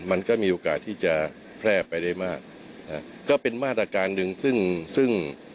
มันก็มีโอกาสที่จะแพร่ไปได้มากนะฮะก็เป็นมาตรการหนึ่งซึ่งซึ่ง